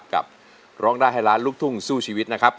กับร้องได้ให้ล้านลูกทุ่งสู้ชีวิตนะครับ